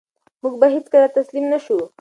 موږ به هېڅکله تسلیم نه شو.